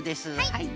はい！